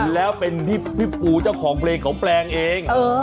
แล้วเป็นที่พี่ปูเจ้าของเพลงเขาแปลงเอง